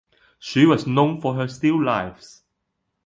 She was known for her still lifes.